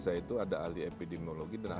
saya itu ada alih epidemiologi dan